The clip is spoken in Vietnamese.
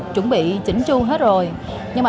chuẩn bị chỉnh chuông hết rồi nhưng mà